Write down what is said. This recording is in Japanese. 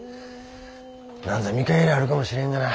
なんぞ見返りあるかもしれんがな。